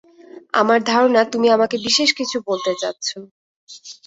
আমার ধারণা তুমি আমাকে বিশেষ কিছু বলতে চাচ্ছ।